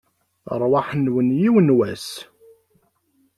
Rrwaḥ-nwen, yiwen n wass!